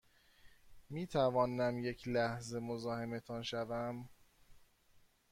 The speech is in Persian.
می توانم یک لحظه مزاحمتان شوم؟